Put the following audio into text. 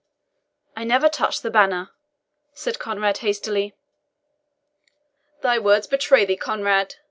"I never touched the banner," said Conrade hastily. "Thy words betray thee, Conrade!"